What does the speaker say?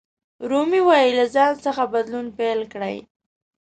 رومي وایي له ځان څخه بدلون پیل کړئ.